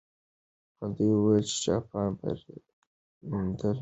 دوی وویل چې جاپان بری موندلی.